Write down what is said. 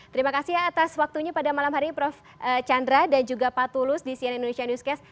terima kasih atas waktunya pada malam hari ini prof chandra dan juga pak tulus di cnn indonesia newscast